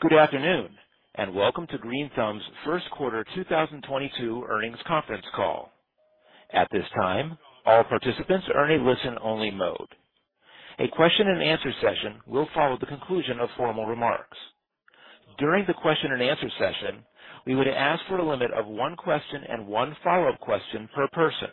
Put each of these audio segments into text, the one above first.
Good afternoon, and welcome to Green Thumb's First Quarter 2022 Earnings Conference Call. At this time, all participants are in a listen-only mode. A question-and-answer session will follow the conclusion of formal remarks. During the question-and-answer session, we would ask for a limit of one question and one follow-up question per person.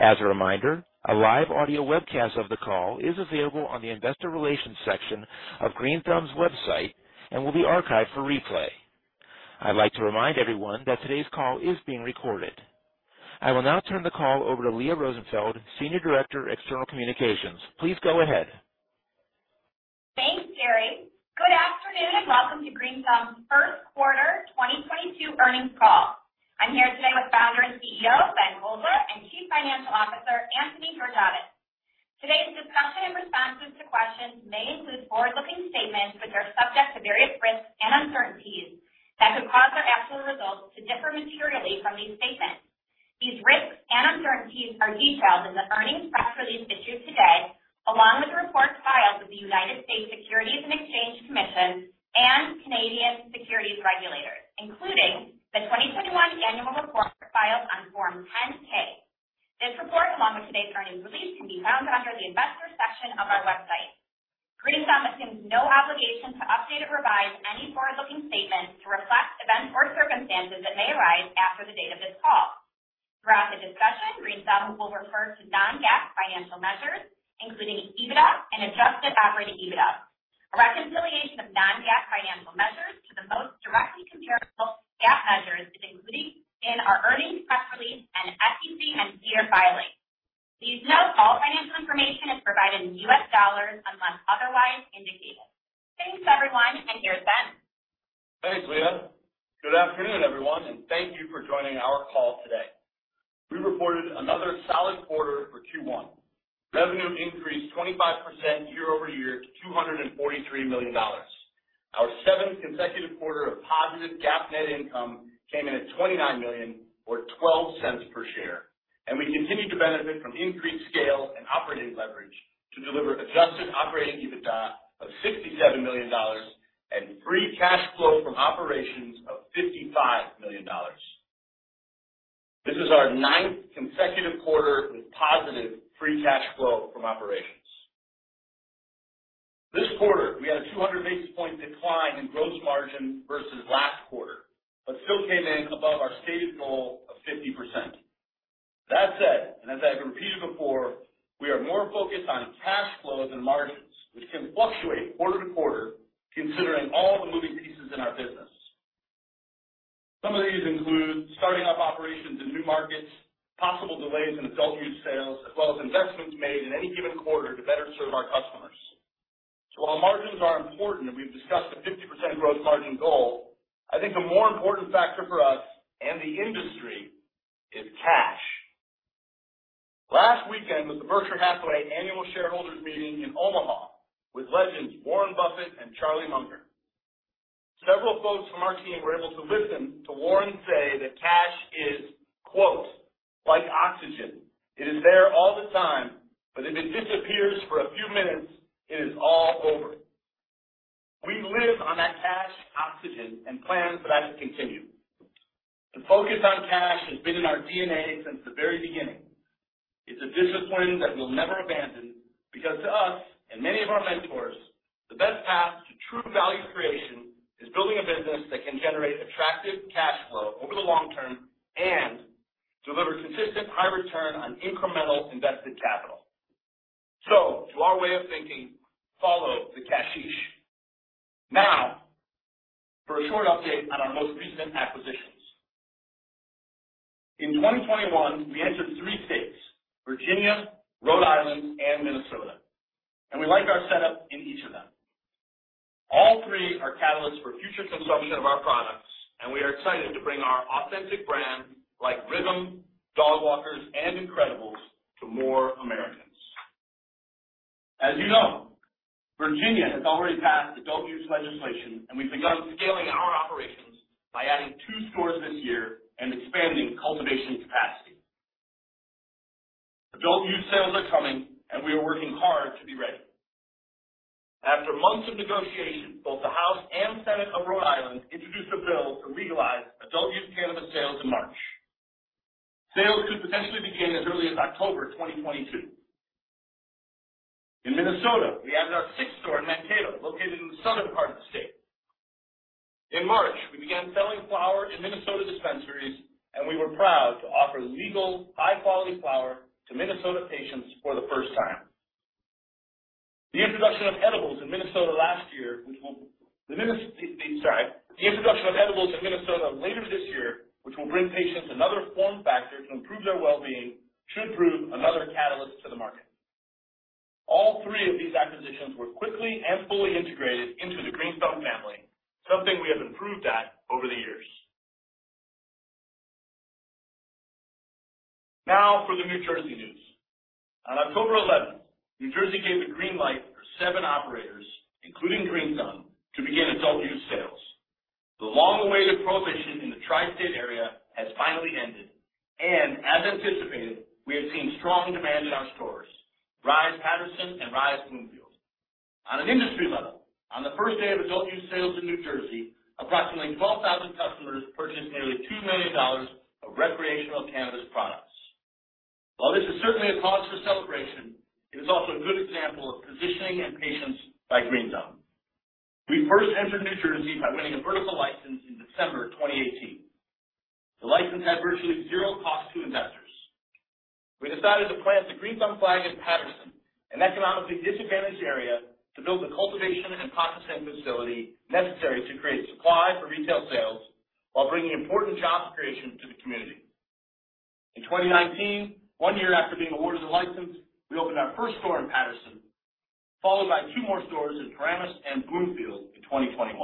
As a reminder, a live audio webcast of the call is available on the investor relations section of Green Thumb's website and will be archived for replay. I'd like to remind everyone that today's call is being recorded. I will now turn the call over to Leah Rosenfeld, Senior Director, External Communications. Please go ahead. Thanks, Gary. Good afternoon, and welcome to Green Thumb's First Quarter 2022 Earnings Call. I'm here today with founder and CEO, Ben Kovler, and Chief Financial Officer, Anthony Georgiadis. Today's discussion and responses to questions may include forward-looking statements which are subject to various risks and uncertainties that could cause our actual results to differ materially from these statements. These risks and uncertainties are detailed in the earnings press release issued today, along with the report filed with the United States Securities and Exchange Commission and Canadian Securities regulators, including the 2021 annual report filed on Form 10-K. This report, along with today's earnings release, can be found under the investor section of our website. Green Thumb assumes no obligation to update or revise any forward-looking statements to reflect events or circumstances that may arise after the date of this call. Throughout the discussion, Green Thumb will refer to non-GAAP financial measures, including EBITDA and adjusted operating EBITDA. A reconciliation of non-GAAP financial measures to the most directly comparable GAAP measures is included in our earnings press release and SEC and SEDAR filings. Please note all financial information is provided in U.S. dollars unless otherwise indicated. Thanks, everyone, and here's Ben. Thanks, Leah. Good afternoon, everyone, and thank you for joining our call today. We reported another solid quarter for Q1. Revenue increased 25% year-over-year to $243 million. Our seventh consecutive quarter of positive GAAP net income came in at $29 million or $0.12 per share, and we continued to benefit from increased scale and operating leverage to deliver adjusted operating EBITDA of $67 million and free cash flow from operations of $55 million. This is our ninth consecutive quarter with positive free cash flow from operations. This quarter, we had a 200 basis point decline in gross margin versus last quarter, but still came in above our stated goal of 50%. That said, and as I have repeated before, we are more focused on cash flow than margins, which can fluctuate quarter to quarter considering all the moving pieces in our business. Some of these include starting up operations in new markets, possible delays in adult use sales, as well as investments made in any given quarter to better serve our customers. While margins are important, and we've discussed the 50% gross margin goal, I think a more important factor for us and the industry is cash. Last weekend was the Berkshire Hathaway annual shareholders meeting in Omaha with legends Warren Buffett and Charlie Munger. Several folks from our team were able to listen to Warren say that cash is, quote, "Like oxygen. It is there all the time, but if it disappears for a few minutes, it is all over. We live on that cash oxygen and plan for that to continue. The focus on cash has been in our DNA since the very beginning. It's a discipline that we'll never abandon because to us and many of our mentors, the best path to true value creation is building a business that can generate attractive cash flow over the long term and deliver consistent high return on incremental invested capital. To our way of thinking, follow the cashish. Now, for a short update on our most recent acquisitions. In 2021, we entered three states, Virginia, Rhode Island, and Minnesota, and we like our setup in each of them. All three are catalysts for future consumption of our products, and we are excited to bring our authentic brand, like RYTHM, Dogwalkers, and Incredibles, to more Americans. As you know, Virginia has already passed adult use legislation, and we've begun scaling our operations by adding two stores this year and expanding cultivation capacity. Adult use sales are coming, and we are working hard to be ready. After months of negotiation, both the House and Senate of Rhode Island introduced a bill to legalize adult use cannabis sales in March. Sales could potentially begin as early as October 2022. In Minnesota, we added our sixth store in Mankato, located in the southern part of the state. In March, we began selling flower in Minnesota dispensaries, and we were proud to offer legal, high-quality flower to Minnesota patients for the first time. The introduction of edibles in Minnesota later this year, which will bring patients another form factor to improve their well-being, should prove another catalyst to the market. All three of these acquisitions were quickly and fully integrated into the Green Thumb family, something we have improved at over the years. Now for the New Jersey news. On October 11th, New Jersey gave the green light for seven operators, including Green Thumb, to begin adult use. The long-awaited prohibition in the Tri-State area has finally ended, and as anticipated, we have seen strong demand in our stores, Rise Paterson and Rise Bloomfield. On an industry level, on the first day of adult use sales in New Jersey, approximately 12,000 customers purchased nearly $2 million of recreational cannabis products. While this is certainly a cause for celebration, it is also a good example of positioning and patience by Green Thumb. We first entered New Jersey by winning a vertical license in December 2018. The license had virtually zero cost to investors. We decided to plant the Green Thumb flag in Paterson, an economically disadvantaged area, to build the cultivation and processing facility necessary to create supply for retail sales while bringing important job creation to the community. In 2019, one year after being awarded the license, we opened our first store in Paterson, followed by two more stores in Paramus and Bloomfield in 2021.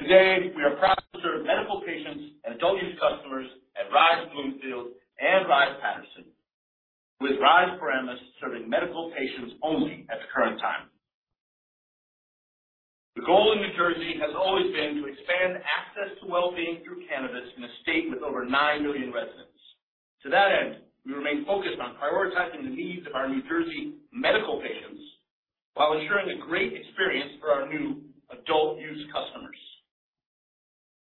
Today, we are proud to serve medical patients and adult use customers at Rise Bloomfield and Rise Paterson, with Rise Paramus serving medical patients only at the current time. The goal in New Jersey has always been to expand access to well-being through cannabis in a state with over 9 million residents. To that end, we remain focused on prioritizing the needs of our New Jersey medical patients while ensuring a great experience for our new adult use customers.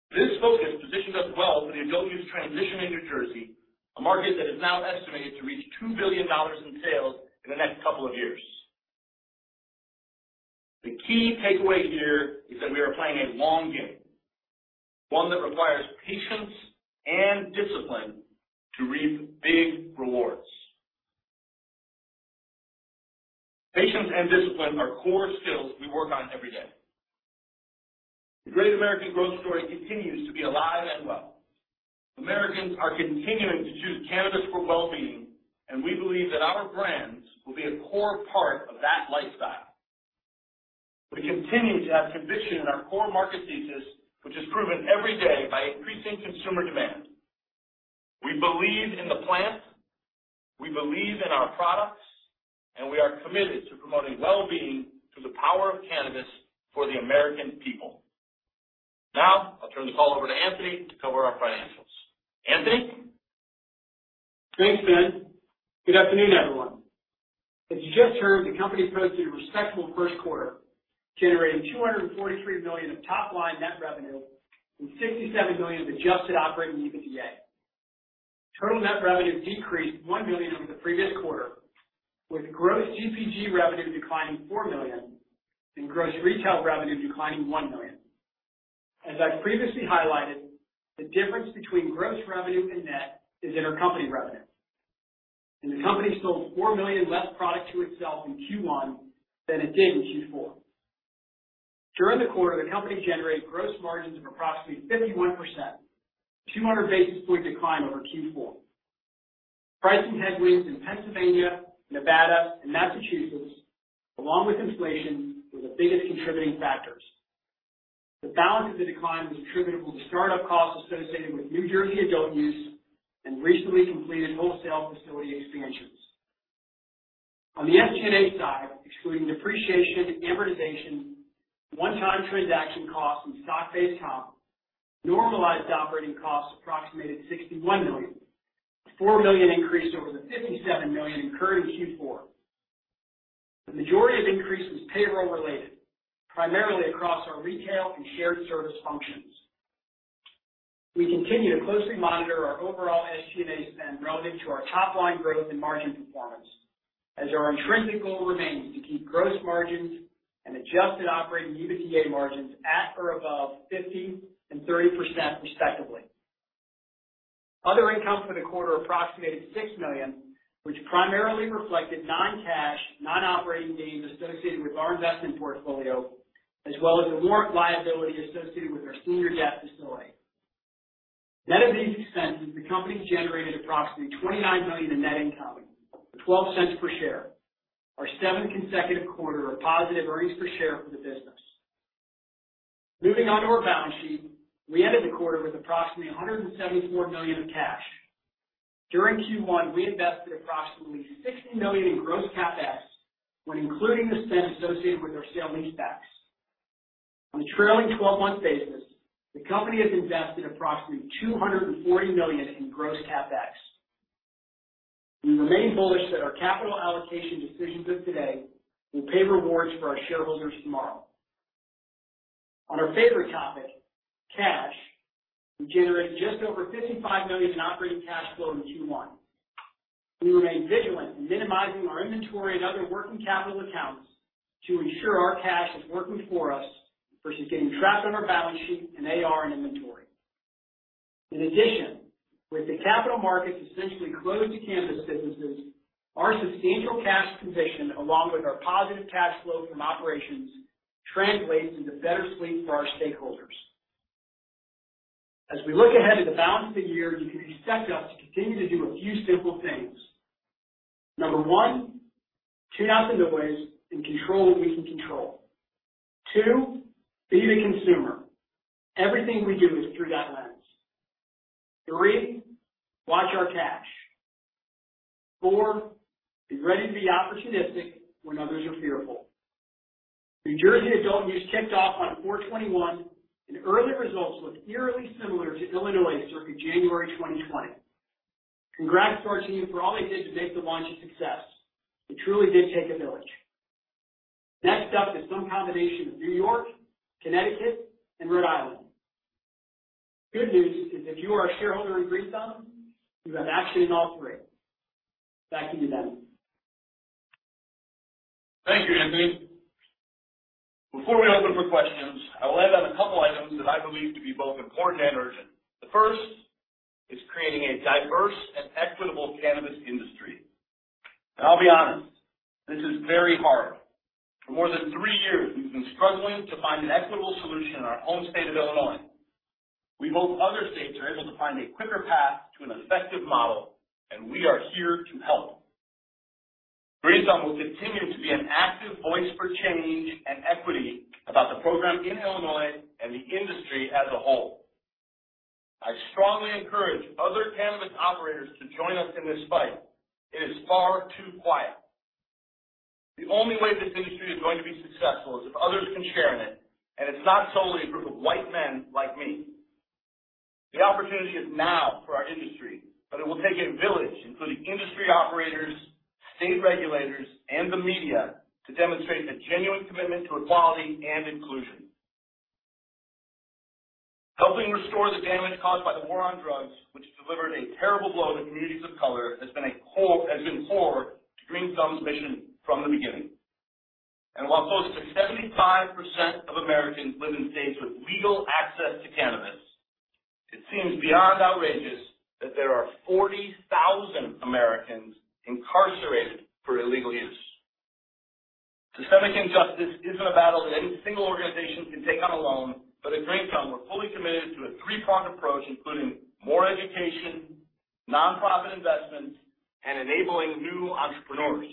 This focus positions us well for the adult use transition in New Jersey, a market that is now estimated to reach $2 billion in sales in the next couple of years. The key takeaway here is that we are playing a long game, one that requires patience and discipline to reap big rewards. Patience and discipline are core skills we work on every day. The great American growth story continues to be alive and well. Americans are continuing to choose cannabis for well-being, and we believe that our brands will be a core part of that lifestyle. We continue to have conviction in our core market thesis, which is proven every day by increasing consumer demand. We believe in the plant, we believe in our products, and we are committed to promoting well-being through the power of cannabis for the American people. Now, I'll turn the call over to Anthony to cover our financials. Anthony. Thanks, Ben. Good afternoon, everyone. As you just heard, the company posted a respectable first quarter, generating $243 million of top line net revenue and $67 million of adjusted operating EBITDA. Total net revenue decreased $1 million over the previous quarter, with gross CPG revenue declining $4 million and gross retail revenue declining $1 million. As I previously highlighted, the difference between gross revenue and net is intercompany revenue. The company sold $4 million less product to itself in Q1 than it did in Q4. During the quarter, the company generated gross margins of approximately 51%, 200 basis point decline over Q4. Pricing headwinds in Pennsylvania, Nevada, and Massachusetts, along with inflation, were the biggest contributing factors. The balance of the decline was attributable to start-up costs associated with New Jersey adult use and recently completed wholesale facility expansions. On the SG&A side, excluding depreciation, amortization, one-time transaction costs, and stock-based comp, normalized operating costs approximated $61 million, a $4 million increase over the $57 million incurred in Q4. The majority of increase was payroll-related, primarily across our retail and shared service functions. We continue to closely monitor our overall SG&A spend relative to our top-line growth and margin performance, as our intrinsic goal remains to keep gross margins and adjusted operating EBITDA margins at or above 50% and 30% respectively. Other income for the quarter approximated $6 million, which primarily reflected non-cash, non-operating gains associated with our investment portfolio, as well as a warrant liability associated with our senior debt facility. Net of these expenses, the company generated approximately $29 million in net income, or $0.12 per share. Our seventh consecutive quarter of positive earnings per share for the business. Moving on to our balance sheet. We ended the quarter with approximately $174 million of cash. During Q1, we invested approximately $60 million in gross CapEx when including the spend associated with our sale-leasebacks. On a trailing 12-month basis, the company has invested approximately $240 million in gross CapEx. We remain bullish that our capital allocation decisions of today will pay rewards for our shareholders tomorrow. On our favorite topic, cash, we generated just over $55 million in operating cash flow in Q1. We remain vigilant in minimizing our inventory and other working capital accounts to ensure our cash is working for us versus getting trapped on our balance sheet in AR and inventory. In addition, with the capital markets essentially closed to cannabis businesses, our substantial cash position, along with our positive cash flow from operations, translates into better sleep for our stakeholders. As we look ahead at the balance of the year, you can expect us to continue to do a few simple things. Number one, tune out the noise and control what we can control. Two, be the consumer. Everything we do is through that lens. Three, watch our cash. Four, be ready to be opportunistic when others are fearful. New Jersey adult use kicked off on 4/21, and early results look eerily similar to Illinois circa January 2020. Congrats to our team for all they did to make the launch a success. It truly did take a village. Next up is some combination of New York, Connecticut, and Rhode Island. Good news is if you are a shareholder in Green Thumb, you have action in all three. Back to you, Ben. Thank you, Anthony. Before we open for questions, I will end on a couple items that I believe to be both important and urgent. The first is creating a diverse and equitable cannabis industry. I'll be honest, this is very hard. For more than three years, we've been struggling to find an equitable solution in our home state of Illinois. We hope other states are able to find a quicker path to an effective model, and we are here to help. Green Thumb will continue to be an active voice for change and equity about the program in Illinois and the industry as a whole. I strongly encourage other cannabis operators to join us in this fight. It is far too quiet. The only way this industry is going to be successful is if others can share in it, and it's not solely a group of white men like me. The opportunity is now for our industry, but it will take a village, including industry operators, state regulators, and the media, to demonstrate a genuine commitment to equality and inclusion. Helping restore the damage caused by the war on drugs, which delivered a terrible blow to communities of color, has been core to Green Thumb's mission from the beginning. While close to 75% of Americans live in states with legal access to cannabis, it seems beyond outrageous that there are 40,000 Americans incarcerated for illegal use. Systemic injustice isn't a battle that any single organization can take on alone, but at Green Thumb, we're fully committed to a three-pronged approach, including more education, nonprofit investments, and enabling new entrepreneurs.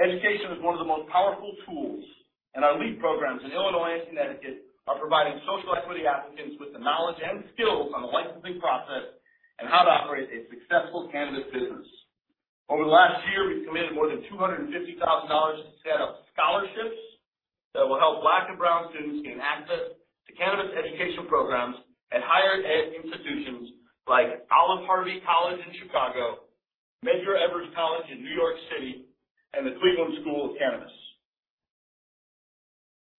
Education is one of the most powerful tools, and our lead programs in Illinois and Connecticut are providing social equity applicants with the knowledge and skills on the licensing process and how to operate a successful cannabis business. Over the last year, we've committed more than $250,000 to set up scholarships that will help Black and brown students gain access to cannabis education programs at higher ed institutions like Olive-Harvey College in Chicago, Medgar Evers College in New York City, and the Cleveland School of Cannabis.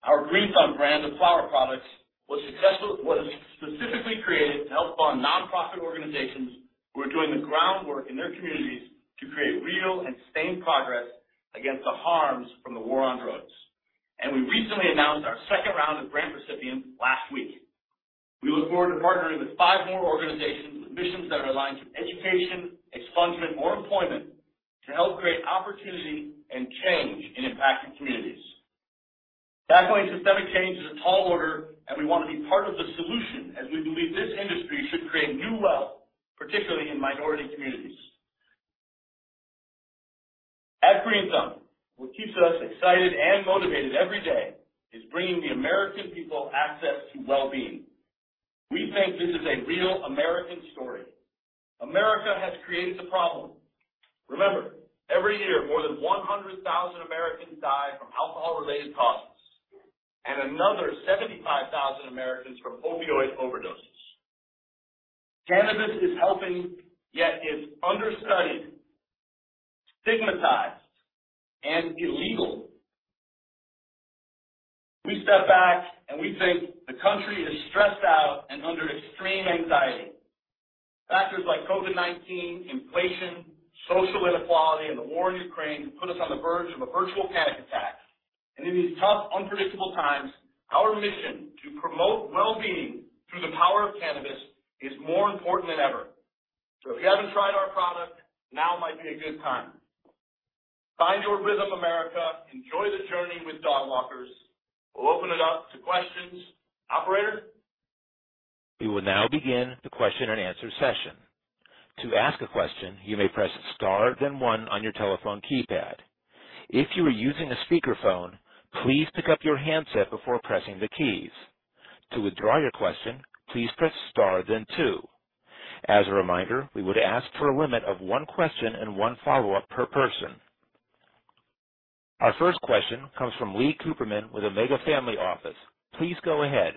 Our Green Thumb brand of flower products was specifically created to help fund nonprofit organizations who are doing the groundwork in their communities to create real and sustained progress against the harms from the war on drugs. We recently announced our second round of grant recipients last week. We look forward to partnering with five more organizations with missions that are aligned to education, expungement, or employment to help create opportunity and change in impacted communities. Tackling systemic change is a tall order, and we want to be part of the solution as we believe this industry should create new wealth, particularly in minority communities. At Green Thumb, what keeps us excited and motivated every day is bringing the American people access to well-being. We think this is a real American story. America has created the problem. Remember, every year, more than 100,000 Americans die from alcohol-related causes and another 75,000 Americans from opioid overdoses. Cannabis is helping, yet it's understudied, stigmatized, and illegal. We step back, and we think the country is stressed out and under extreme anxiety. Factors like COVID-19, inflation, social inequality, and the war in Ukraine have put us on the verge of a virtual panic attack. In these tough, unpredictable times, our mission to promote well-being through the power of cannabis is more important than ever. If you haven't tried our product, now might be a good time. Find your rhythm, America. Enjoy the journey with Dogwalkers. We'll open it up to questions. Operator? We will now begin the question and answer session. To ask a question, you may press star, then one on your telephone keypad. If you are using a speakerphone, please pick up your handset before pressing the keys. To withdraw your question, please press star then two. As a reminder, we would ask for a limit of one question and one follow-up per person. Our first question comes from Leon Cooperman with Omega Family Office. Please go ahead.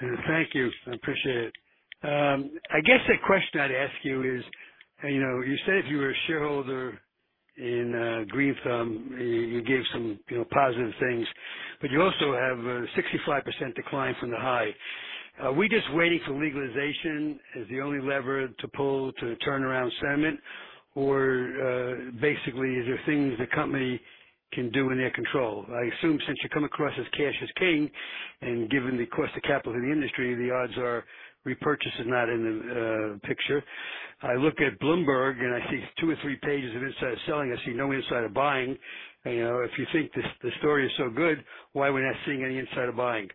Thank you. I appreciate it. I guess the question I'd ask you is, you know, you said if you were a shareholder in Green Thumb, you gave some, you know, positive things, but you also have a 65% decline from the high. Are we just waiting for legalization as the only lever to pull to turn around sentiment? Or basically, is there things the company can do in their control? I assume since you come across as cash is king, and given the cost of capital in the industry, the odds are repurchase is not in the picture. I look at Bloomberg and I see two or three pages of insider selling. I see no insider buying. You know, if you think this story is so good, why we're not seeing any insider buying?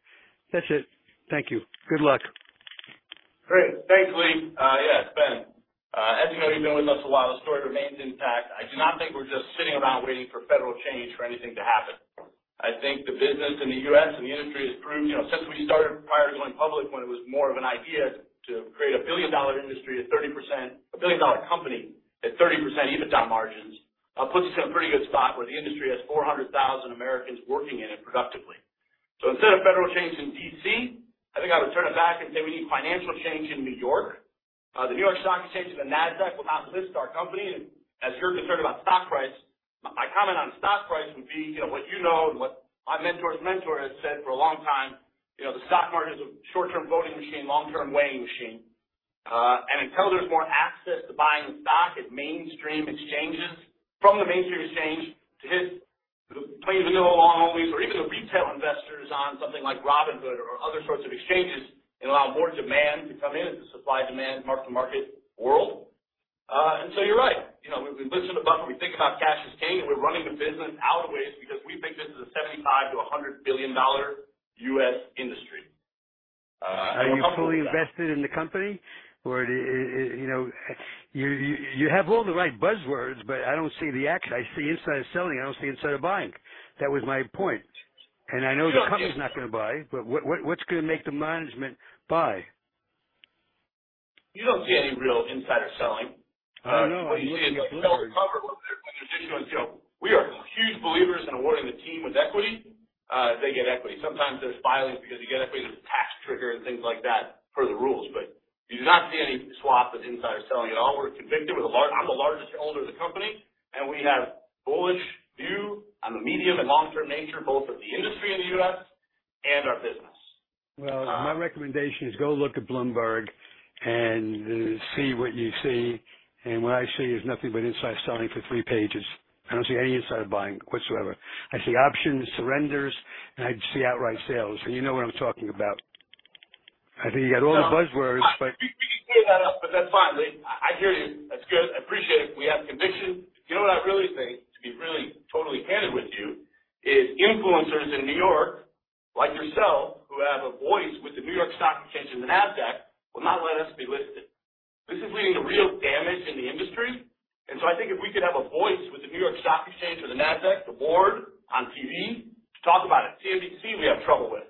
That's it. Thank you. Good luck. Great. Thanks, Lee. In fact, I do not think we're just sitting around waiting for federal change for anything to happen. I think the business in the U.S. and the industry has proved, you know, since we started prior to going public, when it was more of an idea to create a billion-dollar industry at 30%. A billion-dollar company at 30% EBITDA margins puts us in a pretty good spot where the industry has 400,000 Americans working in it productively. Instead of federal change in D.C., I think I would turn it back and say we need financial change in New York. The New York Stock Exchange and the Nasdaq will not list our company. As you're concerned about stock price, my comment on stock price would be, you know, what you know, and what my mentor's mentor has said for a long time, you know, the stock market is a short-term voting machine, long-term weighing machine. Until there's more access to buying stock at mainstream exchanges from the mainstream exchange to hit the plain vanilla long-onlys or even the retail investors on something like Robinhood or other sorts of exchanges and allow more demand to come in as a supply demand mark-to-market world. You're right. You know, we listen to Buffett, we think about cash is king, and we're running the business our ways because we think this is a $75 billion-$100 billion U.S. industry. We're comfortable with that. Are you fully invested in the company? Or it, you know. You have all the right buzzwords, but I don't see the action. I see insider selling, I don't see insider buying. That was my point. I know the company. Sure. is not gonna buy, but what's gonna make the management buy? You don't see any real insider selling. I don't know. I look at Bloomberg. What you see is people recover a little bit of their position. As you know, we are huge believers in awarding the team with equity, they get equity. Sometimes there's filings because you get equity as a tax trigger and things like that per the rules, but you do not see any sign of insider selling at all. We're convinced. I'm the largest holder of the company, and we have bullish view on the medium and long-term nature, both of the industry in the U.S. and our business. Well, my recommendation is go look at Bloomberg and see what you see. What I see is nothing but insider selling for three pages. I don't see any insider buying whatsoever. I see options, surrenders, and I see outright sales. You know what I'm talking about. I think you got all the buzzwords, but. We can clear that up, but that's fine. I hear you. That's good. I appreciate it. We have conviction. You know what I really think, to be really totally candid with you, is influencers in New York like yourself, who have a voice with the New York Stock Exchange and the Nasdaq, will not let us be listed. This is leading to real damage in the industry. I think if we could have a voice with the New York Stock Exchange or the Nasdaq, the board on TV to talk about it. CNBC we have trouble with.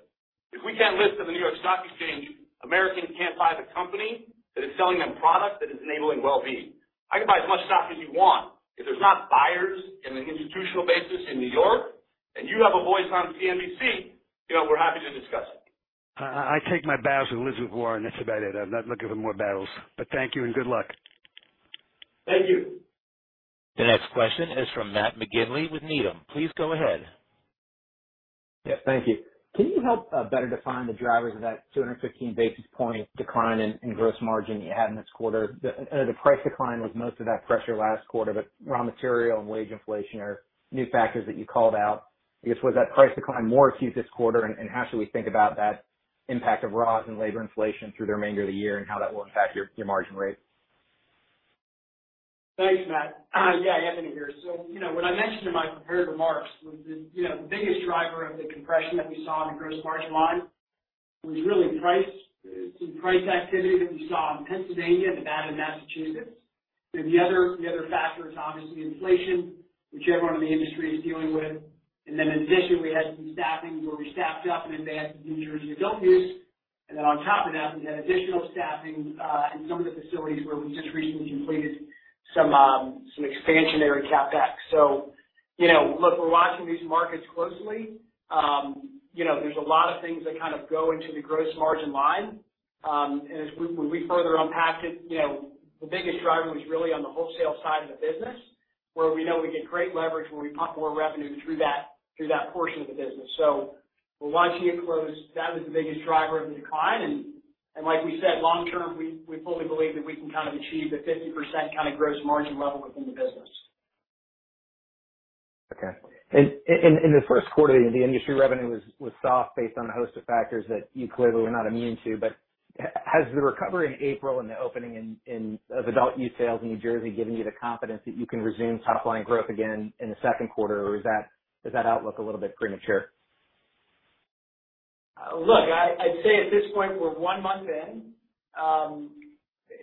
If we can't list on the New York Stock Exchange, Americans can't buy the company that is selling them product that is enabling well-being. I can buy as much stock as you want. If there's no buyers on an institutional basis in New York, and you have a voice on CNBC, you know, we're happy to discuss it. I take my battles and live with war, and that's about it. I'm not looking for more battles. Thank you and good luck. Thank you. The next question is from Matt McGinley with Needham. Please go ahead. Yeah, thank you. Can you help better define the drivers of that 215 basis points decline in gross margin you had in this quarter? I know the price decline was most of that pressure last quarter, but raw material and wage inflation are new factors that you called out. I guess, was that price decline more acute this quarter? And how should we think about that impact of raws and labor inflation through the remainder of the year and how that will impact your margin rate? Thanks, Matt. Yeah, Anthony here. You know, what I mentioned in my prepared remarks was the you know the biggest driver of the compression that we saw on the gross margin line was really price. Some price activity that we saw in Pennsylvania and Nevada and Massachusetts. The other factor is obviously inflation, which everyone in the industry is dealing with. Additionally, we had some staffing where we staffed up in advance of New Jersey adult use. On top of that, we've had additional staffing in some of the facilities where we just recently completed some expansionary CapEx. You know, look, we're watching these markets closely. You know, there's a lot of things that kind of go into the gross margin line. As we further unpack it, you know, the biggest driver was really on the wholesale side of the business, where we know we get great leverage when we pump more revenue through that portion of the business. We're watching it closely. That was the biggest driver of the decline. Like we said, long term, we fully believe that we can kind of achieve the 50% kind of gross margin level within the business. Okay. In the first quarter, the industry revenue was soft based on a host of factors that you clearly were not immune to. Has the recovery in April and the opening of adult use sales in New Jersey given you the confidence that you can resume top line growth again in the second quarter? Or is that outlook a little bit premature? Look, I'd say at this point, we're one month in.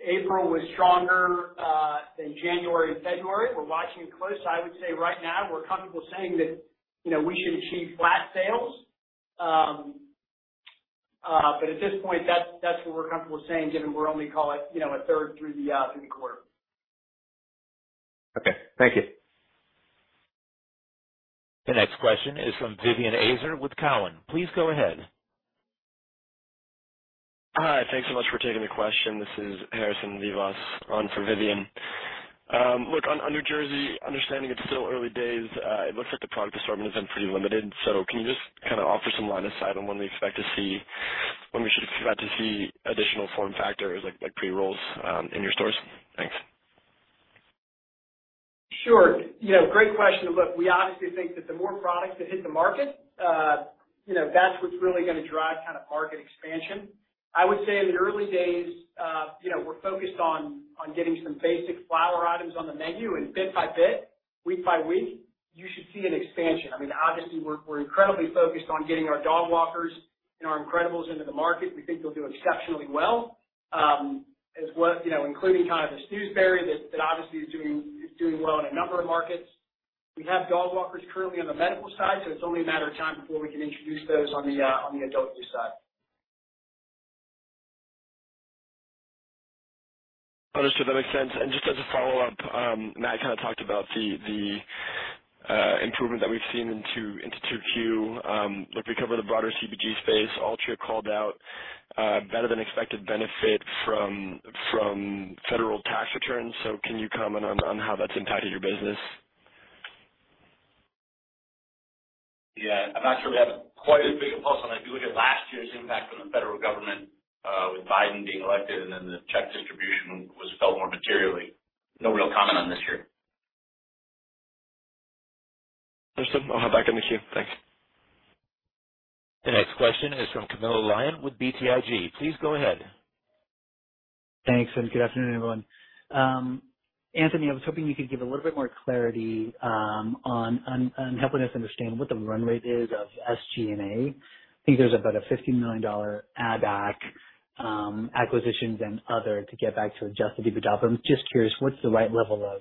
April was stronger than January and February. We're watching it closely. I would say right now we're comfortable saying that, you know, we should achieve flat sales. At this point, that's what we're comfortable saying, given we're only call it, you know, a third through the quarter. Okay. Thank you. The next question is from Vivien Azer with Cowen. Please go ahead. Hi. Thanks so much for taking the question. This is Harrison Vivas on for Vivien. Look on New Jersey, understanding it's still early days, it looks like the product assortment is pretty limited. Can you just kind of offer some line of sight on when we should expect to see additional form factors like pre-rolls in your stores? Thanks. Sure. You know, great question. Look, we obviously think that the more products that hit the market, you know, that's what's really gonna drive kind of market expansion. I would say in the early days, you know, we're focused on getting some basic flower items on the menu and bit by bit. Week by week, you should see an expansion. I mean, obviously, we're incredibly focused on getting our Dogwalkers and our incredibles into the market. We think they'll do exceptionally well. As well, you know, including kind of the Snoozeberry that obviously is doing well in a number of markets. We have Dogwalkers currently on the medical side, so it's only a matter of time before we can introduce those on the adult use side. Understood. That makes sense. Just as a follow-up, Matt kind of talked about the improvement that we've seen into 2Q. Like we cover the broader CPG space. Altria called out better than expected benefit from federal tax returns. Can you comment on how that's impacted your business? Yeah. I'm not sure we have quite as big a pulse on that. If you look at last year's impact on the federal government with Biden being elected and then the check distribution was felt more materially. No real comment on this year. Understood. I'll hop back in the queue. Thanks. The next question is from Camilo Lyon with BTIG. Please go ahead. Thanks, and good afternoon, everyone. Anthony, I was hoping you could give a little bit more clarity on helping us understand what the run rate is of SG&A. I think there's about a $50 million add back, acquisitions and other to get back to Adjusted EBITDA. I'm just curious, what's the right level of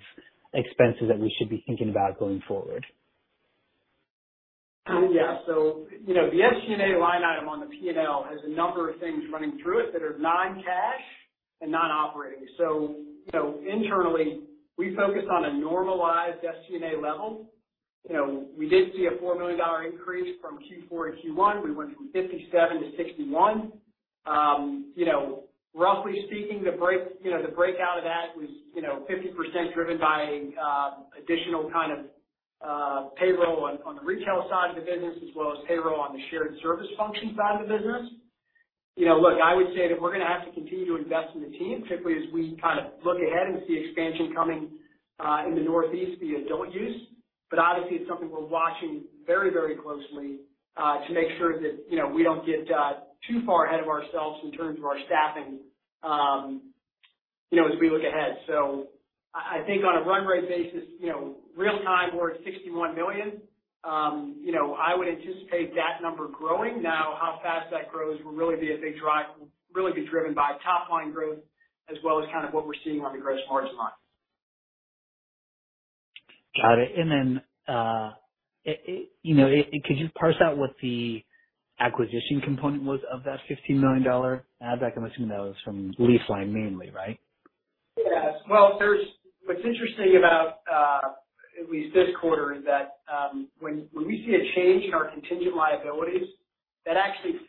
expenses that we should be thinking about going forward? Yeah. You know, the SG&A line item on the P&L has a number of things running through it that are non-cash and non-operating. Internally, we focus on a normalized SG&A level. You know, we did see a $4 million increase from Q4 to Q1. We went from $57 million to $61 million. You know, roughly speaking, the breakout of that was, you know, 50% driven by additional kind of payroll on the retail side of the business as well as payroll on the shared service function side of the business. You know, look, I would say that we're gonna have to continue to invest in the team, particularly as we kind of look ahead and see expansion coming in the Northeast via adult use. Obviously it's something we're watching very, very closely, to make sure that, you know, we don't get too far ahead of ourselves in terms of our staffing, you know, as we look ahead. I think on a run rate basis, you know, real time we're at $61 million. You know, I would anticipate that number growing. Now, how fast that grows will really be driven by top line growth as well as kind of what we're seeing on the gross margin line. Got it. Could you parse out what the acquisition component was of that $15 million add back? I'm assuming that was from LeafLine mainly, right? Yes. Well, what's interesting about at least this quarter is that when we see a change in our contingent liabilities, that actually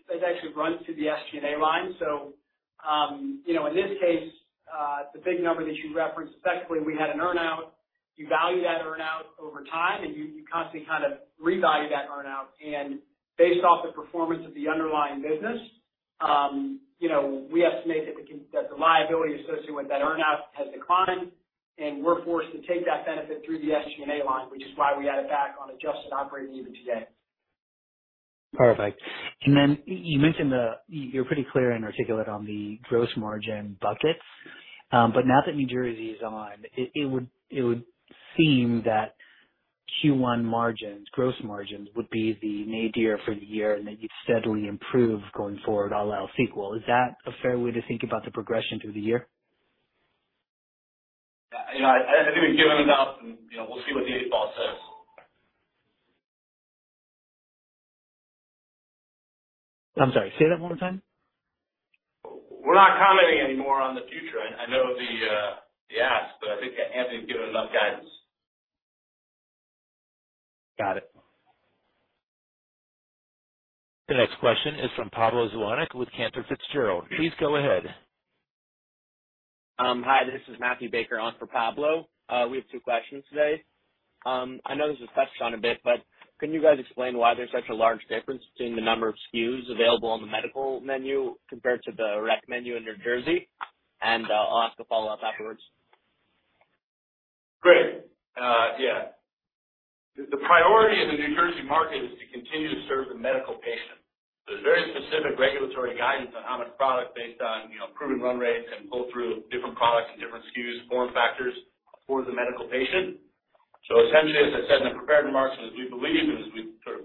runs through the SG&A line. You know, in this case, the big number that you referenced, essentially we had an earn-out. You value that earn-out over time, and you constantly kind of revalue that earn-out. Based off the performance of the underlying business, you know, we estimate that the liability associated with that earn-out has declined, and we're forced to take that benefit through the SG&A line, which is why we add it back on adjusted operating EBITDA. Perfect. You mentioned. You're pretty clear and articulate on the gross margin buckets. Now that New Jersey is on, it would seem that Q1 margins, gross margins would be the nadir for the year, and that you'd steadily improve going forward a la sequel. Is that a fair way to think about the progression through the year? You know, I think we've given enough, and you know, we'll see what the eight ball says. I'm sorry, say that one more time. We're not commenting anymore on the future. I know the ask, but I think Anthony's given enough guidance. Got it. The next question is from Pablo Zuanic with Cantor Fitzgerald. Please go ahead. Hi, this is Matthew Baker on for Pablo. We have two questions today. I know this was touched on a bit, but can you guys explain why there's such a large difference between the number of SKUs available on the medical menu compared to the rec menu in New Jersey? I'll ask a follow-up afterwards. Great. Yeah. The priority in the New Jersey market is to continue to serve the medical patient. There's very specific regulatory guidance on how much product based on, you know, proven run rates and pull through of different products and different SKUs, form factors for the medical patient. Essentially, as I said in the prepared remarks, and as we believe and as we've sort of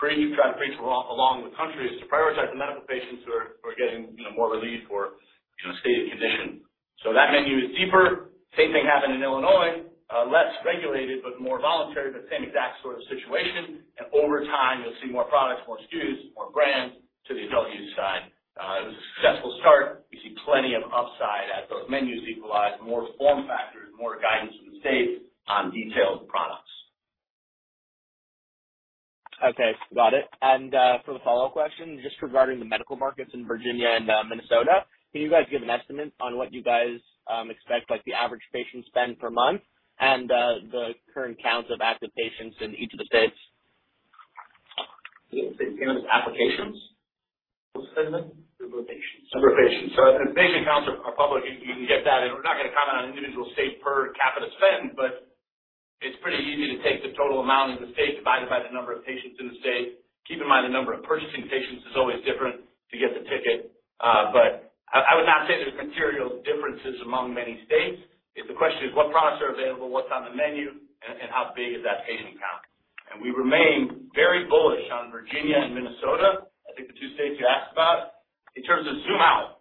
tried to preach along the country, is to prioritize the medical patients who are getting, you know, more relief for, you know, stated condition. That menu is deeper. Same thing happened in Illinois, less regulated, but more voluntary, but same exact sort of situation. Over time, you'll see more products, more SKUs, more brands to the adult use side. It was a successful start. We see plenty of upside as those menus equalize, more form factors, more guidance from the state on detailed products. Okay, got it. For the follow-up question, just regarding the medical markets in Virginia and Minnesota, can you guys give an estimate on what you guys expect, like, the average patient spend per month and the current counts of active patients in each of the states? You know, the count is applications. What was the other one? Number of patients. Number of patients. Basically counts are public. You can get that. We're not gonna comment on an individual state per capita spend, but it's pretty easy. The total amount in the state divided by the number of patients in the state. Keep in mind, the number of purchasing patients is always different to get the ticket. But I would not say there's material differences among many states. If the question is what products are available, what's on the menu, and how big is that patient count. We remain very bullish on Virginia and Minnesota, I think the two states you asked about. In terms of zoom out,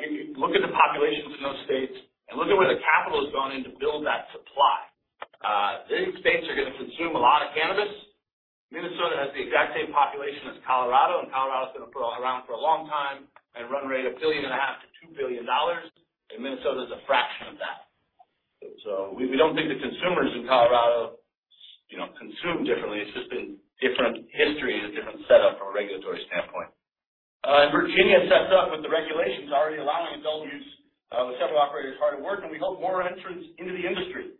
if you look at the populations in those states and look at where the capital has gone in to build that supply, these states are gonna consume a lot of cannabis. Minnesota has the exact same population as Colorado, and Colorado's gonna put around for a long time and run rate $1.5 billion-$2 billion, and Minnesota is a fraction of that. We don't think the consumers in Colorado, you know, consume differently. It's just been different history and a different setup from a regulatory standpoint. Virginia sets up with the regulations already allowing adult use, with several operators hard at work, and we hope more entrants into the industry.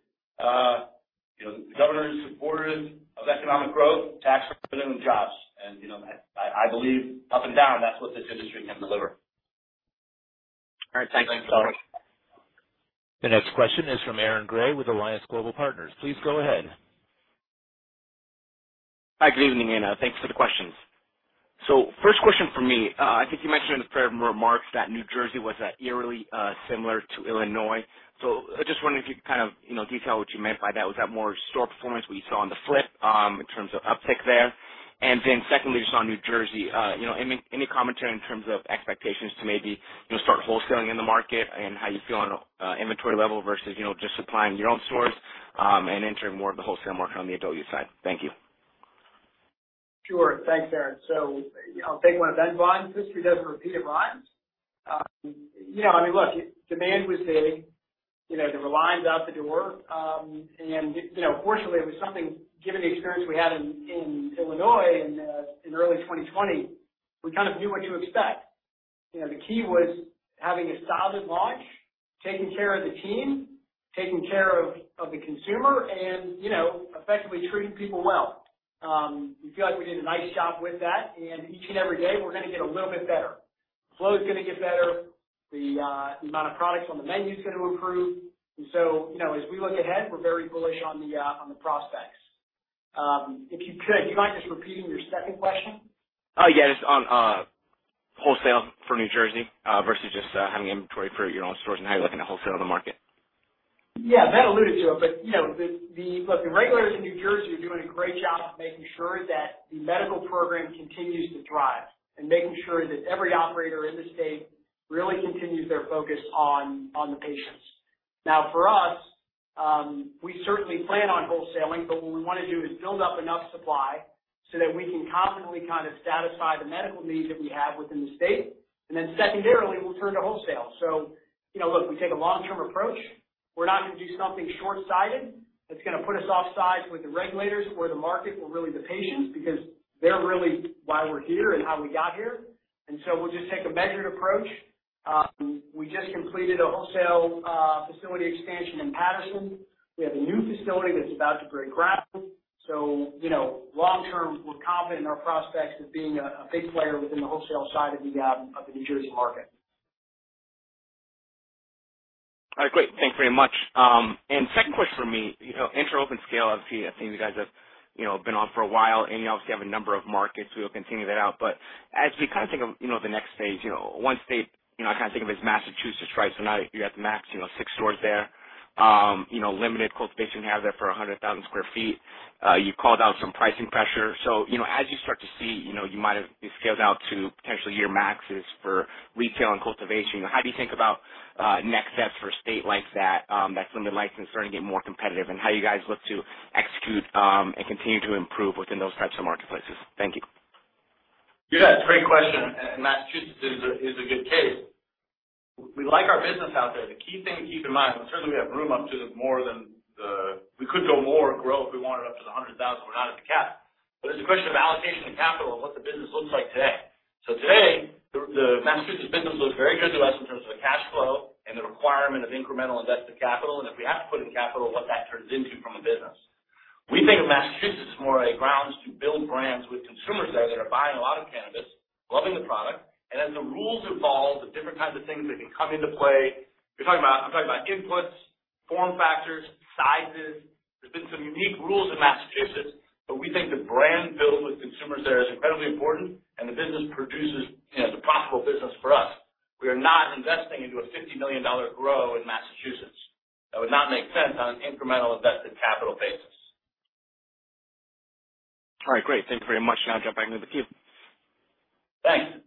You know, the governor is supportive of economic growth, tax revenue, and jobs. I believe up and down, that's what this industry can deliver. All right. Thanks. Thanks. The next question is from Aaron Grey with Alliance Global Partners. Please go ahead. Hi. Good evening, and thanks for the questions. First question from me. I think you mentioned in the prepared remarks that New Jersey was eerily similar to Illinois, so I just wondering if you could kind of, you know, detail what you meant by that. Was that more store performance, what you saw on the flip, in terms of uptick there? Secondly, just on New Jersey, you know, any commentary in terms of expectations to maybe, you know, start wholesaling in the market and how you feel on a inventory level versus, you know, just supplying your own stores, and entering more of the wholesale market on the adult use side. Thank you. Sure. Thanks, Aaron. You know, I'll take one event at a time. History doesn't repeat. It rhymes. You know, I mean, look, demand was big, you know, there were lines out the door. You know, fortunately, it was something given the experience we had in Illinois in early 2020, we kind of knew what to expect. You know, the key was having a solid launch, taking care of the team, taking care of the consumer and, you know, effectively treating people well. We feel like we did a nice job with that. Each and every day, we're gonna get a little bit better. Flow's gonna get better. The amount of products on the menu is gonna improve. You know, as we look ahead, we're very bullish on the prospects. If you could, do you mind just repeating your second question? Yes. On wholesale for New Jersey versus just having inventory for your own stores and how you're looking at wholesale on the market. Yeah, Matt alluded to it, but you know, the regulators in New Jersey are doing a great job of making sure that the medical program continues to thrive and making sure that every operator in the state really continues their focus on the patients. Now for us, we certainly plan on wholesaling, but what we wanna do is build up enough supply so that we can confidently kind of satisfy the medical needs that we have within the state, and then secondarily, we'll turn to wholesale. So, you know, look, we take a long-term approach. We're not gonna do something shortsighted that's gonna put us offside with the regulators or the market or really the patients, because they're really why we're here and how we got here. We'll just take a measured approach. We just completed a wholesale facility expansion in Paterson. We have a new facility that's about to break ground. You know, long term, we're confident in our prospects of being a big player within the wholesale side of the New Jersey market. All right. Great. Thanks very much. Second question from me. You know, in the on scale, obviously I've seen you guys have, you know, been on scale for a while, and you obviously have a number of markets. We'll continue to scale out. As we kind of think of, you know, the next phase, you know, one state, you know, I kinda think of as Massachusetts, right? Now you're at max, you know, six stores there. You know, limited cultivation you have there for 100,000 sq ft. You called out some pricing pressure. You know, as you start to see, you know, you might have scaled out to potentially your maxes for retail and cultivation. How do you think about next steps for a state like that's limited license starting to get more competitive, and how you guys look to execute, and continue to improve within those types of marketplaces? Thank you. Yeah, great question, and Massachusetts is a good case. We like our business out there. The key thing to keep in mind, certainly we have room up to more than. We could go more and grow if we wanted up to the 100,000. We're not at the cap. It's a question of allocation of capital and what the business looks like today. Today, the Massachusetts business looks very good to us in terms of the cash flow and the requirement of incremental invested capital, and if we have to put in capital, what that turns into from a business. We think of Massachusetts more as grounds to build brands with consumers there that are buying a lot of cannabis, loving the product. As the rules evolve, the different kinds of things that can come into play, I'm talking about inputs, form factors, sizes. There's been some unique rules in Massachusetts, but we think the brand build with consumers there is incredibly important, and the business produces, you know, it's a profitable business for us. We are not investing into a $50 million grow in Massachusetts. That would not make sense on an incremental invested capital basis. All right. Great. Thank you very much. Now I'll jump back into the queue. Thanks.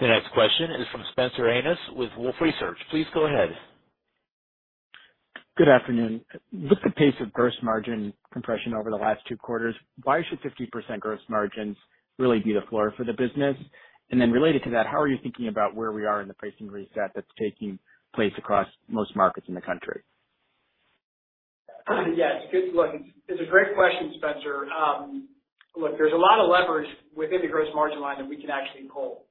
The next question is from Spencer Hanus with Wolfe Research. Please go ahead. Good afternoon. With the pace of gross margin compression over the last two quarters, why should 50% gross margins really be the floor for the business? Related to that, how are you thinking about where we are in the pricing reset that's taking place across most markets in the country? Yes. Good. Look, it's a great question, Spencer. Look, there's a lot of leverage within the gross margin line that we can actually pull.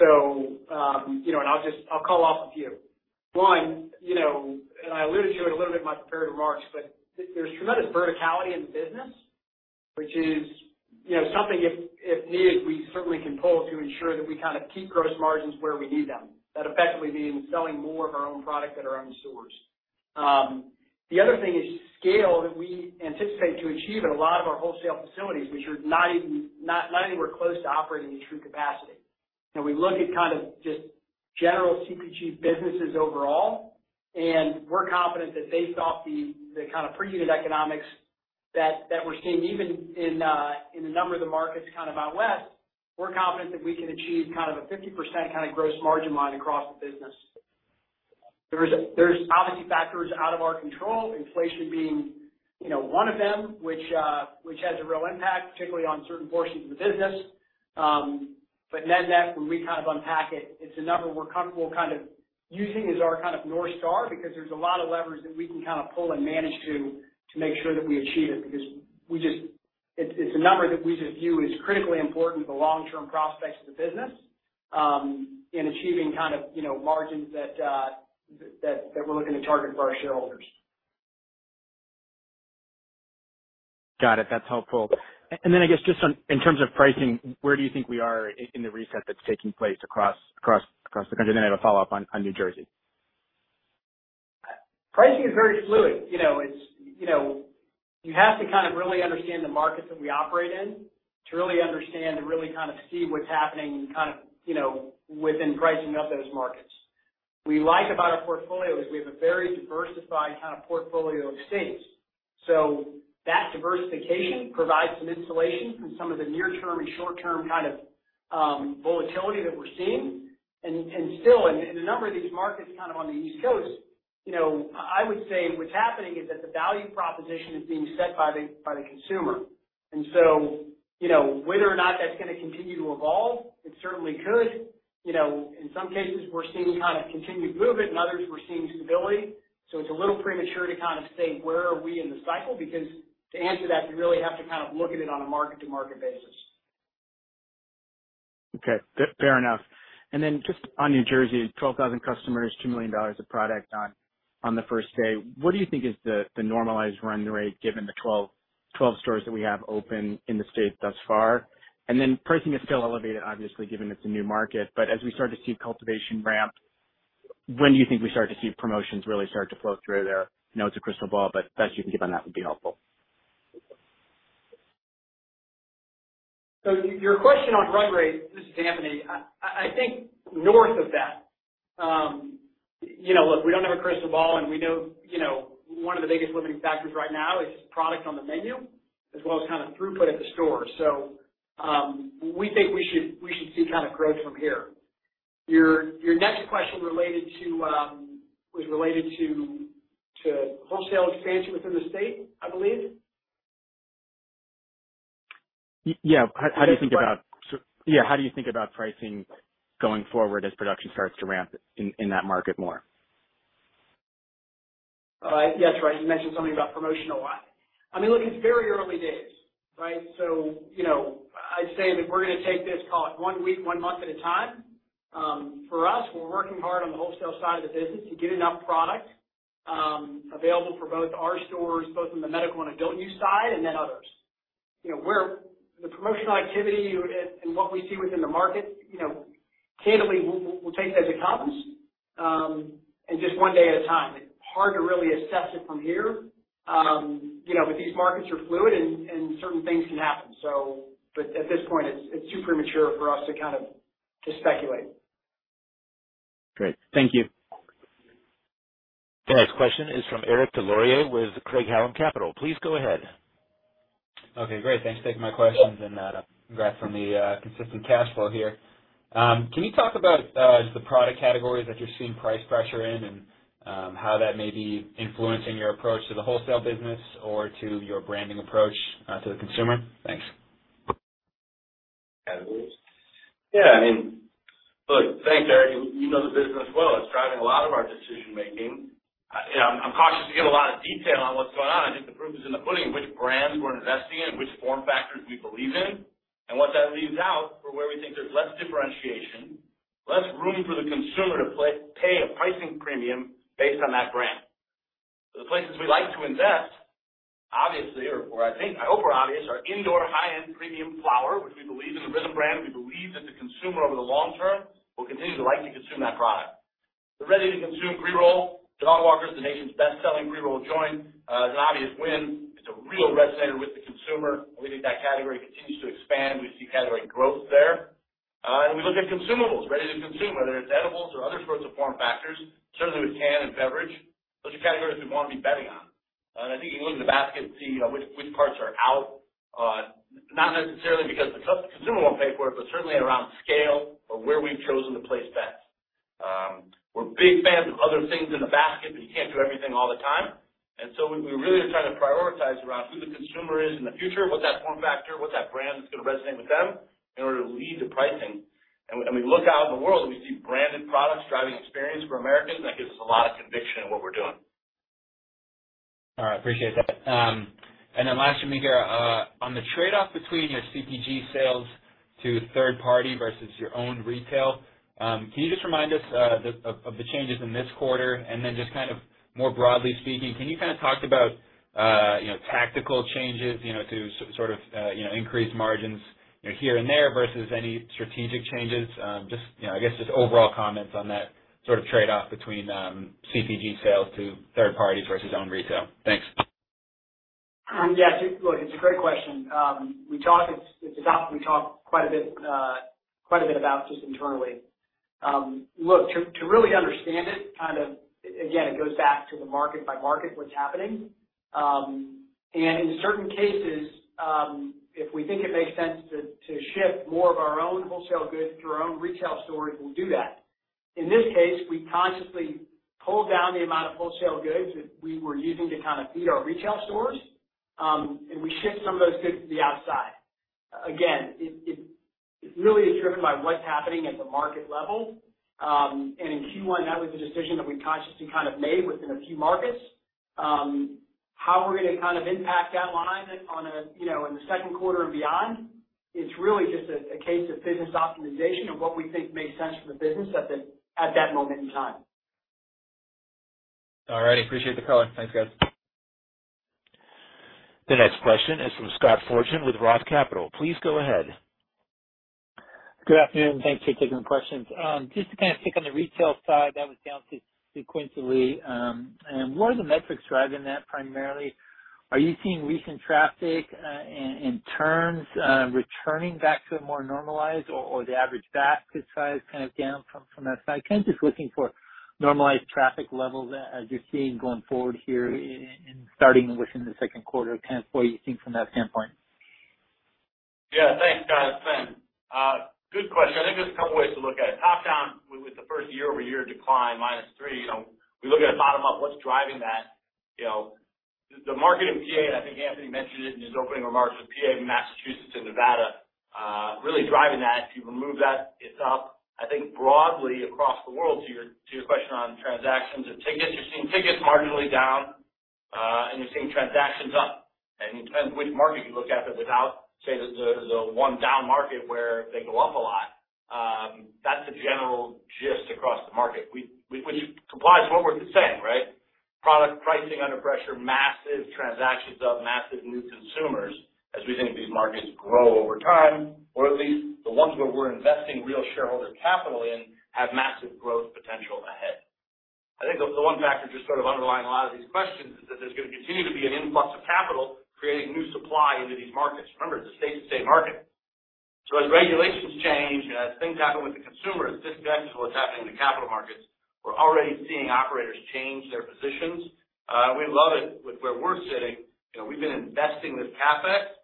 You know, and I'll just call off a few. One, you know, and I alluded to it a little bit in my prepared remarks, but there's tremendous verticality in the business. Which is, you know, something if needed, we certainly can pull to ensure that we kind of keep gross margins where we need them. That effectively means selling more of our own product at our own stores. The other thing is scale that we anticipate to achieve in a lot of our wholesale facilities, which are not anywhere close to operating at true capacity. You know, we look at kind of just general CPG businesses overall, and we're confident that based off the kind of per unit economics that we're seeing even in a number of the markets kind of out west, we're confident that we can achieve kind of a 50% kind of gross margin line across the business. There's obviously factors out of our control, inflation being, you know, one of them, which has a real impact, particularly on certain portions of the business. Net-net when we kind of unpack it's a number we're comfortable kind of using as our kind of north star because there's a lot of levers that we can kind of pull and manage to make sure that we achieve it because we just. It's a number that we just view as critically important to the long-term prospects of the business in achieving kind of, you know, margins that we're looking to target for our shareholders. Got it. That's helpful. I guess just on in terms of pricing, where do you think we are in the reset that's taking place across the country? I have a follow-up on New Jersey. Pricing is very fluid. You know, it's, you know, you have to kind of really understand the markets that we operate in to really understand and really kind of see what's happening, kind of, you know, within pricing of those markets. What we like about our portfolio is we have a very diversified kind of portfolio of states, so that diversification provides some insulation from some of the near term and short term kind of volatility that we're seeing. Still in a number of these markets kind of on the East Coast, you know, I would say what's happening is that the value proposition is being set by the consumer. Whether or not that's gonna continue to evolve, it certainly could. You know, in some cases we're seeing kind of continued movement and others we're seeing stability. It's a little premature to kind of say, where are we in the cycle, because to answer that, you really have to kind of look at it on a market to market basis. Okay. Fair enough. Just on New Jersey, 12,000 customers, $2 million of product on the first day. What do you think is the normalized run rate given the 12 stores that we have open in the state thus far? Pricing is still elevated obviously given it's a new market, but as we start to see cultivation ramp, when do you think we start to see promotions really start to flow through there? I know it's a crystal ball, but best you can give on that would be helpful. Your question on run rate, this is Anthony. I think north of that. You know, look, we don't have a crystal ball and we know, you know, one of the biggest limiting factors right now is product on the menu as well as kind of throughput at the store. We think we should see kind of growth from here. Your next question related to was related to wholesale expansion within the state, I believe? Yeah. How do you think about pricing going forward as production starts to ramp in that market more? Yes. Right. You mentioned something about promotional line. I mean, look, it's very early days, right? You know, I'd say that we're gonna take this, call it one week, one month at a time. For us, we're working hard on the wholesale side of the business to get enough product available for both our stores, both in the medical and adult use side, and then others. You know, the promotional activity and what we see within the market, you know, candidly, we'll take it as it comes, and just one day at a time. It's hard to really assess it from here, you know, but these markets are fluid and certain things can happen. At this point, it's too premature for us to kind of speculate. Great. Thank you. The next question is from Eric Des Lauriers with Craig-Hallum Capital. Please go ahead. Okay, great. Thanks for taking my questions, and congrats on the consistent cash flow here. Can you talk about the product categories that you're seeing price pressure in and how that may be influencing your approach to the wholesale business or to your branding approach to the consumer? Thanks. Categories. Yeah, I mean, look, thanks, Eric. You know the business well. It's driving a lot of our decision-making. I, you know, I'm cautious to give a lot of detail on what's going on. I think the proof is in the pudding, which brands we're investing in, which form factors we believe in, and what that leaves out for where we think there's less differentiation, less room for the consumer to pay a pricing premium based on that brand. The places we like to invest, obviously, or I think, I hope are obvious, are indoor high-end premium flower, which we believe in the RYTHM brand. We believe that the consumer over the long term will continue to likely consume that product. The ready-to-consume pre-roll, Dogwalkers, the nation's best-selling pre-roll joint, is an obvious win. It's a real resonates with the consumer. We think that category continues to expand. We see category growth there. We look at consumables, ready-to-consume, whether it's edibles or other sorts of form factors. Certainly with cans and beverages, those are categories we wanna be betting on. I think you can look in the basket and see, you know, which parts are out, not necessarily because the consumer won't pay for it, but certainly around scale or where we've chosen to place bets. We're big fans of other things in the basket, but you can't do everything all the time. We really are trying to prioritize around who the consumer is in the future, what's that form factor, what's that brand that's gonna resonate with them in order to lead the pricing. When we look out in the world and we see branded products driving experience for Americans, that gives us a lot of conviction in what we're doing. All right. Appreciate that. Last from me here, on the trade-off between your CPG sales to third party versus your own retail. Can you just remind us of the changes in this quarter? Just kind of more broadly speaking, can you kind of talk about, you know, tactical changes, you know, to sort of, you know, increase margins, you know, here and there versus any strategic changes? Just, you know, I guess, just overall comments on that sort of trade-off between CPG sales to third party versus own retail. Thanks. Yeah, look, it's a great question. It's a topic we talk quite a bit about just internally. Look, to really understand it, kind of, again, it goes back to the market by market, what's happening. In certain cases, if we think it makes sense to ship more of our own wholesale goods to our own retail stores, we'll do that. In this case, we consciously pulled down the amount of wholesale goods that we were using to kind of feed our retail stores, and we shipped some of those goods to the outside. Again, it really is driven by what's happening at the market level. In Q1, that was a decision that we consciously kind of made within a few markets. How we're gonna kind of impact that line on a, you know, in the second quarter and beyond, it's really just a case of business optimization and what we think makes sense for the business at that moment in time. All right. Appreciate the color. Thanks, guys. The next question is from Scott Fortune with Roth Capital. Please go ahead. Good afternoon and thanks for taking questions. Just to kind of kick on the retail side, that was down sequentially. What are the metrics driving that primarily? Are you seeing recent traffic in terms returning back to a more normalized or the average basket size kind of down from that side? Kind of just looking for normalized traffic levels as you're seeing going forward here in starting within the second quarter, kind of what you think from that standpoint. Yeah. Thanks, Scott. It's Ben. Good question. I think there's a couple ways to look at it. Top down with the first year-over-year decline -3%, you know, we look at it bottom up, what's driving that? You know, the market in PA, and I think Anthony mentioned it in his opening remarks, with PA, Massachusetts and Nevada really driving that. If you remove that, it's up. I think broadly across the board, to your question on transactions and tickets, you're seeing tickets marginally down, and you're seeing transactions up. Depends which market you look at that without, say, the one down market where they go up a lot. That's the general gist across the market. Which aligns with what we're saying, right? Product pricing under pressure, massive transactions up, massive new consumers as we think of these markets grow over time, or at least the ones where we're investing real shareholder capital in, have massive growth potential ahead. I think the one factor just sort of underlying a lot of these questions is that there's gonna continue to be an influx of capital creating new supply into these markets. Remember, it's a state-to-state market. As regulations change and as things happen with the consumer, this vector is what's happening in the capital markets. We're already seeing operators change their positions. We love it with where we're sitting. You know, we've been investing this CapEx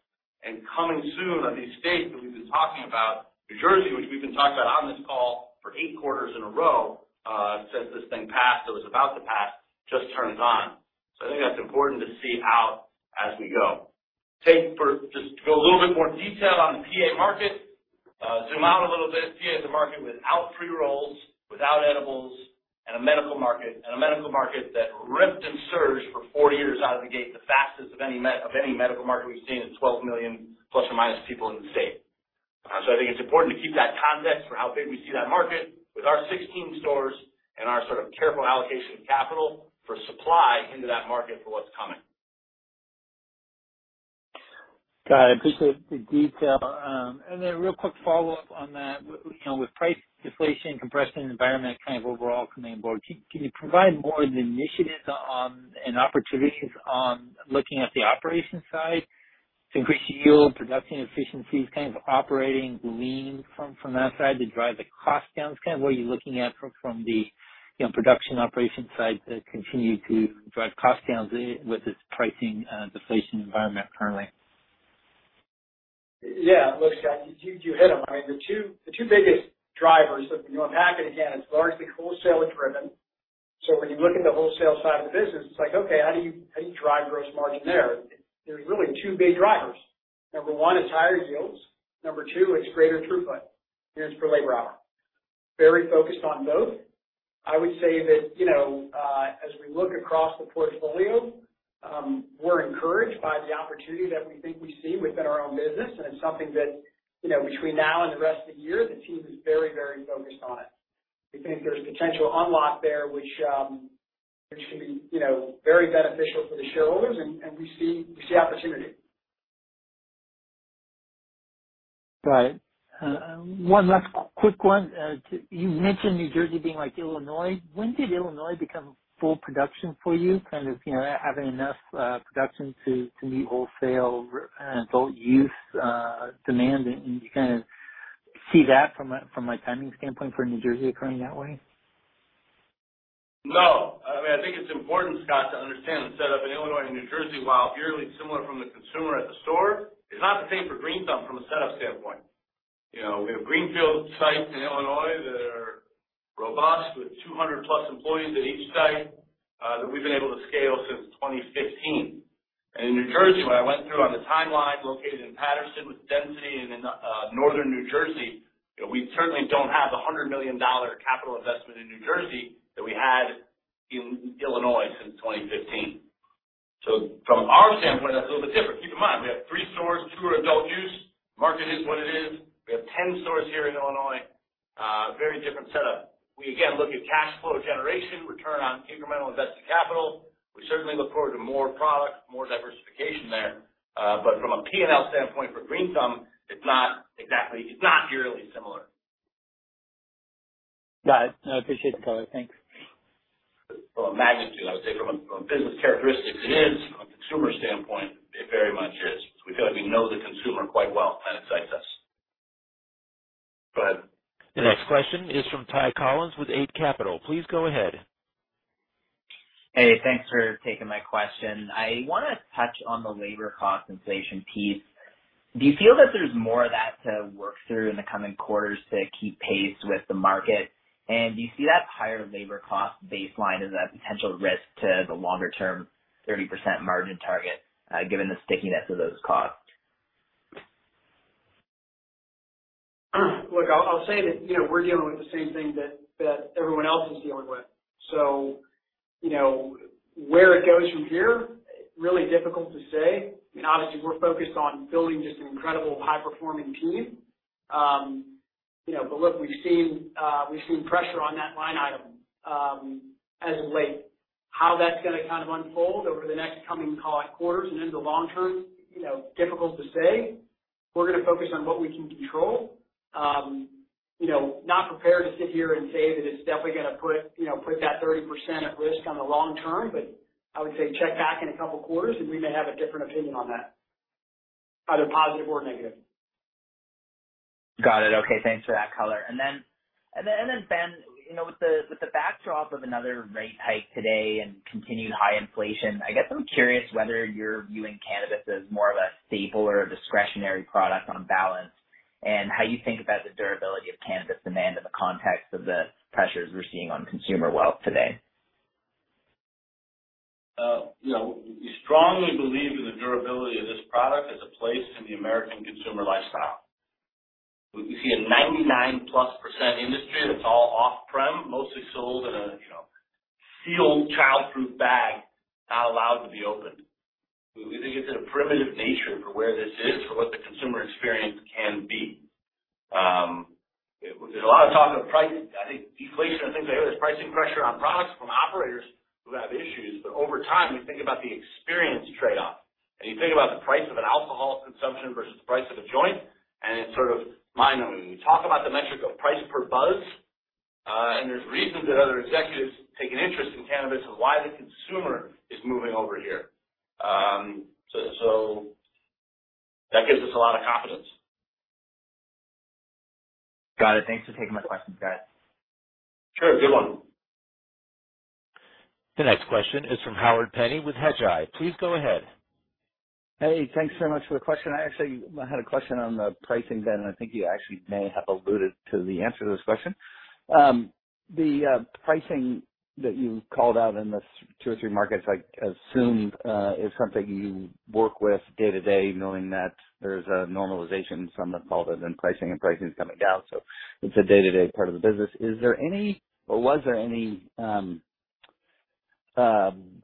and coming soon are these states that we've been talking about, New Jersey, which we've been talking about on this call for eight quarters in a row, since this thing passed, that was about to pass, just turns on. I think that's important to see how as we go. Just to go a little bit more detail on the PA market, zoom out a little bit. PA is a market without pre-rolls, without edibles, and a medical market that ripped and surged for four years out of the gate, the fastest of any medical market we've seen in 12 million plus or minus people in the state. I think it's important to keep that context for how big we see that market with our 16 stores and our sort of careful allocation of capital for supply into that market for what's coming. Got it. Appreciate the detail. Real quick follow-up on that. With you know, price deflation compression environment kind of overall coming about, can you provide more of the initiatives and opportunities on looking at the operations side to increase yield, production efficiencies, kinds of operating lean from that side to drive the cost down? Kind of where you're looking at from the you know, production operations side to continue to drive cost down with this pricing deflation environment currently? Yeah. Look, Scott, you hit them. I mean, the two biggest drivers, look, you unpack it again, it's largely wholesale driven. So when you look at the wholesale side of the business, it's like, okay, how do you drive gross margin there? There's really two big drivers. Number one, it's higher yields. Number two, it's greater throughput units per labor hour. Very focused on both. I would say that, you know, as we look across the portfolio, we're encouraged by the opportunity that we think we see within our own business, and it's something that, you know, between now and the rest of the year, the team is very, very focused on it. We think there's potential unlock there, which can be, you know, very beneficial for the shareholders and we see opportunity. Got it. One last quick one. You mentioned New Jersey being like Illinois. When did Illinois become full production for you? Kind of, you know, having enough production to meet wholesale adult use demand, and you kind of see that from a timing standpoint for New Jersey occurring that way? No. I mean, I think it's important, Scott, to understand the setup in Illinois and New Jersey, while purely similar from the consumer at the store, it's not the same for Green Thumb from a setup standpoint. You know, we have greenfield sites in Illinois that are robust with 200+ employees at each site, that we've been able to scale since 2015. In New Jersey, what I went through on the timeline located in Paterson with density and in northern New Jersey, you know, we certainly don't have the $100 million capital investment in New Jersey that we had in Illinois since 2015. From our standpoint, that's a little bit different. Keep in mind, we have three stores, two are adult use. Market is what it is. We have 10 stores here in Illinois, very different setup. We again look at cash flow generation, return on incremental invested capital. We certainly look forward to more products, more diversification there. From a P&L standpoint for Green Thumb, it's not nearly similar. Got it. No, I appreciate the color. Thanks. From a magnitude, I would say from a business characteristics, it is. From a consumer standpoint, it very much is, because we know the consumer quite well, and it excites us. Go ahead. The next question is from Ty Collin with ATB Capital Markets. Please go ahead. Hey, thanks for taking my question. I wanna touch on the labor cost inflation piece. Do you feel that there's more of that to work through in the coming quarters to keep pace with the market? Do you see that higher labor cost baseline as a potential risk to the longer-term 30% margin target, given the stickiness of those costs? Look, I'll say that, you know, we're dealing with the same thing that everyone else is dealing with. You know, where it goes from here, really difficult to say. I mean, obviously we're focused on building just an incredible high-performing team. But look, we've seen pressure on that line item as of late. How that's gonna kind of unfold over the next couple quarters and into the long term, you know, difficult to say. We're gonna focus on what we can control. You know, not prepared to sit here and say that it's definitely gonna put that 30% at risk on the long term, but I would say check back in a couple quarters, and we may have a different opinion on that, either positive or negative. Got it. Okay, thanks for that color. Ben, you know, with the backdrop of another rate hike today and continued high inflation, I guess I'm curious whether you're viewing cannabis as more of a staple or a discretionary product on balance, and how you think about the durability of cannabis demand in the context of the pressures we're seeing on consumer wealth today. You know, we strongly believe in the durability of this product as a place in the American consumer lifestyle. We see a 99%+ industry that's all off-prem, mostly sold in a, you know, sealed childproof bag, not allowed to be opened. We think it's in a primitive nature for where this is for what the consumer experience can be. There's a lot of talk of price. I think deflation, I think there's pricing pressure on products from operators who have issues, but over time, you think about the experience trade-off. You think about the price of an alcohol consumption versus the price of a joint, and it's sort of mind-numbing. You talk about the metric of price per buzz, and there's reasons that other executives take an interest in cannabis and why the consumer is moving over here. That gives us a lot of confidence. Got it. Thanks for taking my questions, guys. Sure. Good one. The next question is from Howard Penney with Hedgeye. Please go ahead. Hey, thanks very much for the question. I actually had a question on the pricing, Ben, and I think you actually may have alluded to the answer to this question. The pricing that you called out in the two or three markets, I assume, is something you work with day-to-day, knowing that there's a normalization somewhat involved in pricing and pricing is coming down. It's a day-to-day part of the business. Is there any or was there any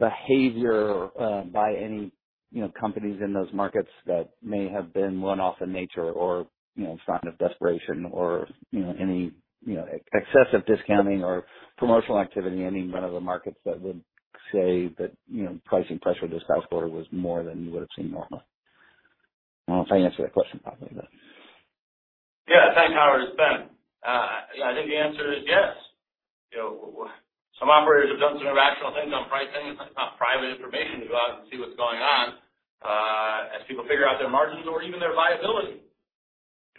behavior by any, you know, companies in those markets that may have been one-off in nature or, you know, a sign of desperation or, you know, any, you know, excessive discounting or promotional activity, any one of the markets that would say that, you know, pricing pressure this past quarter was more than you would have seen normal? I don't know if I answered that question properly. Yeah. Thanks, Howard. It's Ben. I think the answer is yes. You know, some operators have done some irrational things on pricing. It's not private information to go out and see what's going on, as people figure out their margins or even their viability.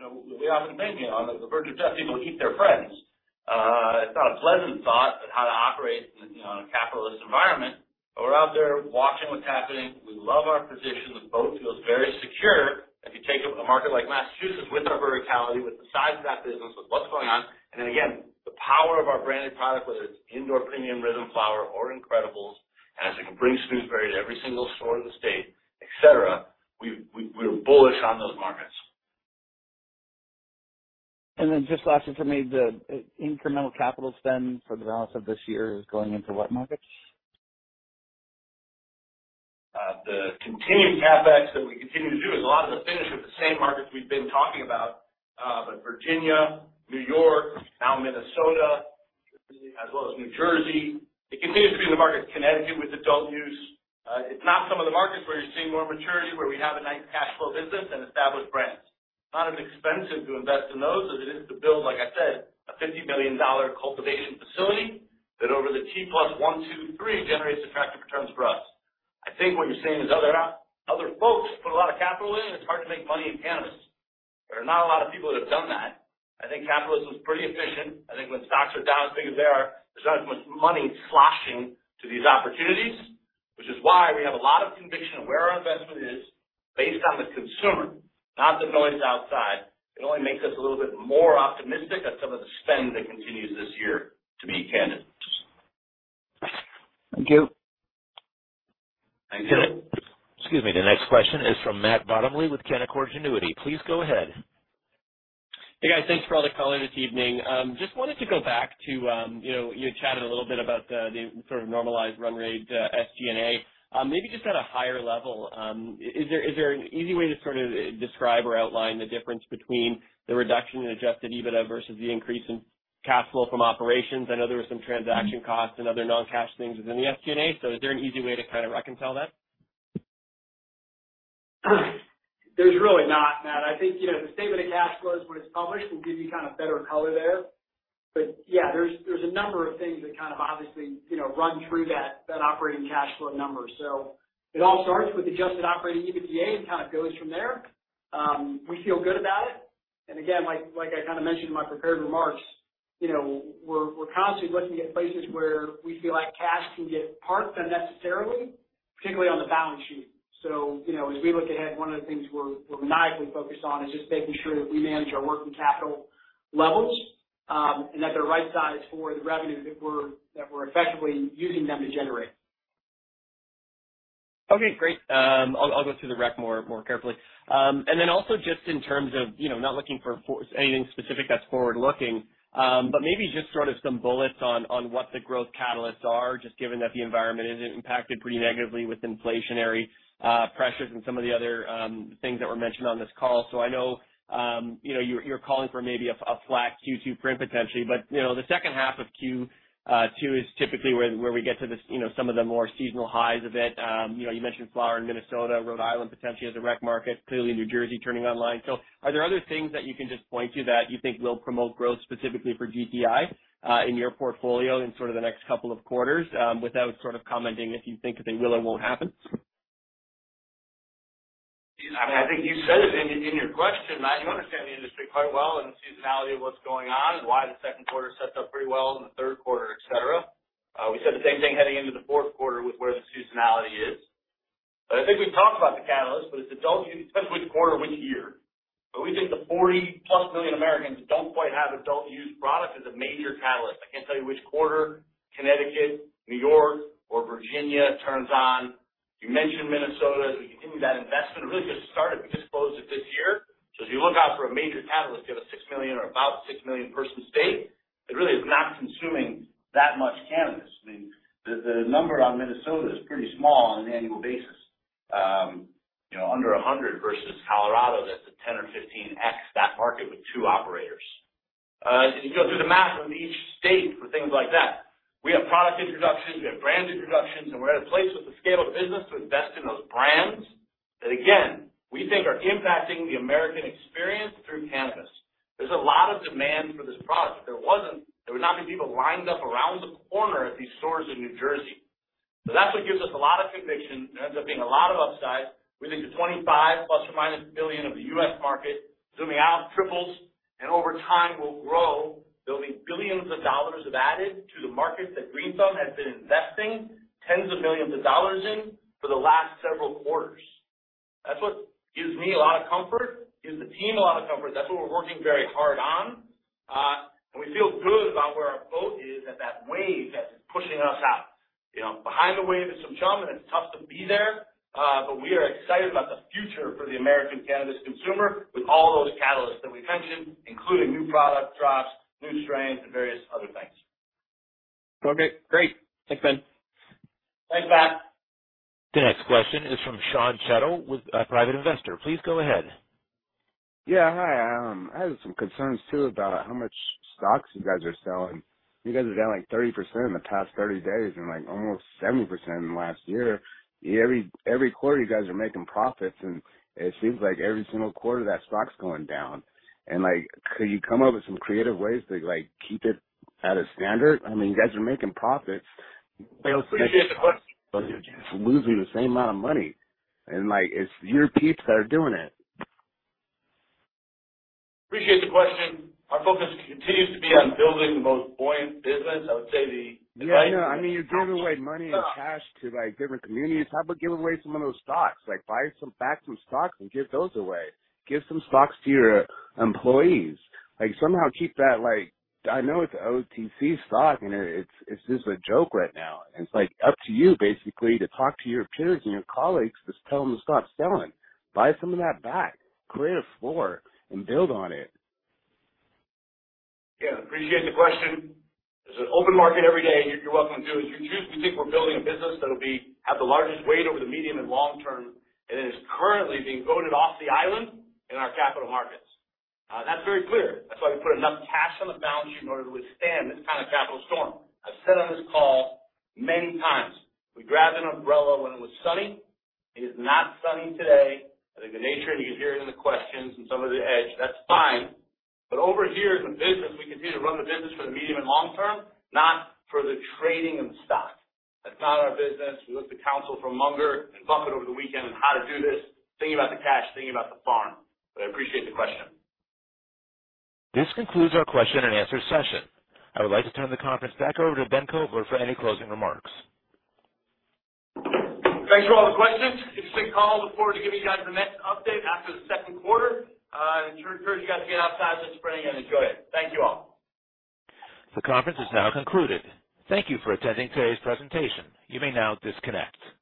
You know, we're all in pain, you know, on the verge of just people eating their friends. It's not a pleasant thought, but how to operate in, you know, in a capitalist environment. We're out there watching what's happening. We love our position. The boat feels very secure. If you take a market like Massachusetts with our verticality, with the size of that business, with what's going on, and then again, the power of our branded product, whether it's indoor premium RYTHM flower or Incredibles, as we can bring Snoozeberry to every single store in the state, et cetera, we're bullish on those markets. Just lastly from me, the incremental capital spend for the balance of this year is going into what markets? The continued CapEx that we continue to do is a lot of the finish of the same markets we've been talking about, but Virginia, New York, now Minnesota, as well as New Jersey. It continues to be in the market, Connecticut, with adult use. It's not some of the markets where you're seeing more maturity, where we have a nice cash flow business and established brands. Not as expensive to invest in those as it is to build, like I said, a $50 million cultivation facility that over the T plus one, two, three generates attractive returns for us. I think what you're saying is other folks put a lot of capital in, it's hard to make money in cannabis. There are not a lot of people that have done that. I think capitalism is pretty efficient. I think when stocks are down as big as they are, there's not as much money sloshing to these opportunities, which is why we have a lot of conviction of where our investment is based on the consumer, not the noise outside. It only makes us a little bit more optimistic of some of the spend that continues this year to be cannabis. Thank you. Thank you. Excuse me. The next question is from Matt Bottomley with Canaccord Genuity. Please go ahead. Hey guys, thanks for all the color this evening. Just wanted to go back to, you know, you had chatted a little bit about the sort of normalized run rate, SG&A. Maybe just at a higher level, is there an easy way to sort of describe or outline the difference between the reduction in Adjusted EBITDA versus the increase in capital from operations? I know there were some transaction costs and other non-cash things within the SG&A. Is there an easy way to kind of reconcile that? There's really not, Matt. I think, you know, the statement of cash flow is when it's published, will give you kind of better color there. Yeah, there's a number of things that kind of obviously, you know, run through that operating cash flow number. It all starts with adjusted operating EBITDA and kind of goes from there. We feel good about it. Again, like I kind of mentioned in my prepared remarks, you know, we're constantly looking at places where we feel like cash can get parked unnecessarily, particularly on the balance sheet. You know, as we look ahead, one of the things we're maniacally focused on is just making sure that we manage our working capital levels, and that they're right-sized for the revenue that we're effectively using them to generate. Okay, great. I'll go through the rec more carefully. Also just in terms of, you know, not looking for anything specific that's forward-looking, but maybe just sort of some bullets on what the growth catalysts are, just given that the environment is impacted pretty negatively with inflationary pressures and some of the other things that were mentioned on this call. I know, you know, you're calling for maybe a flat Q2 print potentially, but you know, the second half of Q2 is typically where we get to this, you know, some of the more seasonal highs of it. You know, you mentioned flower in Minnesota, Rhode Island potentially as a rec market, clearly New Jersey turning online. Are there other things that you can just point to that you think will promote growth specifically for GTI in your portfolio in sort of the next couple of quarters without sort of commenting if you think that they will or won't happen? I think you said it in your question, Matt. You understand the industry quite well and the seasonality of what's going on and why the second quarter sets up pretty well in the third quarter, et cetera. We said the same thing heading into the fourth quarter with where the seasonality is. I think we've talked about the catalyst, but it's adult use. It depends which quarter, which year. We think the 40+ million Americans that don't quite have adult use product is a major catalyst. I can't tell you which quarter Connecticut, New York, or Virginia turns on. You mentioned Minnesota, as we continue that investment, it really just started. We just closed it this year. So as you look out for a major catalyst, you have a 6 million or about 6 million person state that really is not consuming that much cannabis. I mean, the number on Minnesota is pretty small on an annual basis, you know, under 100 versus Colorado, that's a 10x or 15x that market with two operators. You go through the math of each state for things like that. We have product introductions, we have brand introductions, and we're at a place with the scale of business to invest in those brands that again, we think are impacting the American experience through cannabis. There's a lot of demand for this product. If there wasn't, there would not be people lined up around the corner at these stores in New Jersey. That's what gives us a lot of conviction and ends up being a lot of upside. We think the $25 ± billion of the U.S. market, zooming out, triples and over time will grow. There'll be billions of dollars added to the market that Green Thumb has been investing tens of millions of dollars in for the last several quarters. That's what gives me a lot of comfort, gives the team a lot of comfort. That's what we're working very hard on. We feel good about where our boat is and that wave that is pushing us out. You know, behind the wave is some chum, and it's tough to be there. We are excited about the future for the American cannabis consumer with all those catalysts that we mentioned, including new product drops, new strains, and various other things. Okay, great. Thanks, Ben. Thanks, Matt. The next question is from Sean Chettle with Private Investor. Please go ahead. Yeah. Hi, I have some concerns too about how much stocks you guys are selling. You guys are down, like, 30% in the past 30 days and, like, almost 70% in the last year. Every quarter, you guys are making profits, and it seems like every single quarter that stock's going down. Like, could you come up with some creative ways to, like, keep it at a standard? I mean, you guys are making profits. I appreciate the question. You're losing the same amount of money. Like, it's your peeps that are doing it. Appreciate the question. Our focus continues to be on building the most buoyant business. Yeah, I know. I mean, you're giving away money and cash to, like, different communities. How about giving away some of those stocks? Like, buy some back some stocks and give those away. Give some stocks to your employees. Like, somehow keep that, like, I know it's an OTC stock and it's just a joke right now. It's like, up to you basically to talk to your peers and your colleagues, just tell them to stop selling. Buy some of that back. Create a floor and build on it. Yeah. Appreciate the question. There's an open market every day. You're welcome to it. We think we're building a business that'll have the largest weight over the medium and long term, and it is currently being voted off the island in our capital markets. That's very clear. That's why we put enough cash on the balance sheet in order to withstand this kind of capital storm. I've said on this call many times. We grabbed an umbrella when it was sunny. It is not sunny today. I think the nature, and you can hear it in the questions and some of the edge, that's fine. Over here in the business, we continue to run the business for the medium and long term, not for the trading of the stock. That's not our business. We looked at counsel from Munger and Buffett over the weekend on how to do this, thinking about the cash, thinking about the farm. I appreciate the question. This concludes our question and answer session. I would like to turn the conference back over to Ben Kovler for any closing remarks. Thanks for all the questions. It's a good call. Look forward to giving you guys the next update after the second quarter. I sure encourage you guys to get outside this spring and enjoy it. Thank you all. The conference is now concluded. Thank you for attending today's presentation. You may now disconnect.